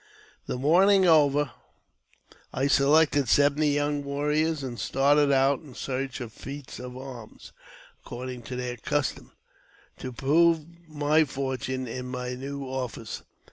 The mourning over, I selected seventy young warriors, and started out in search of feats of arms (according to their custom), to prove my fortune in my new office.